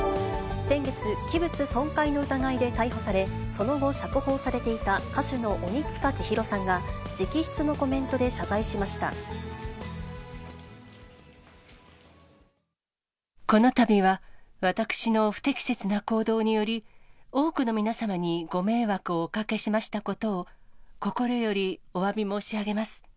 先月、器物損壊の疑いで逮捕され、その後、釈放されていた歌手の鬼束ちひろさんが、直筆のコメントで謝罪しこのたびは、私の不適切な行動により、多くの皆様にご迷惑をおかけしましたことを、心よりおわび申し上げます。